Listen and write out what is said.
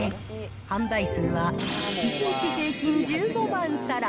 販売数は１日平均１５万皿。